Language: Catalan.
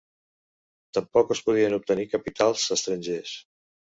Tampoc es podien obtenir capitals estrangers.